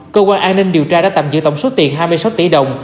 cơ quan an ninh điều tra đã tạm giữ tổng số tiền hai mươi sáu tỷ đồng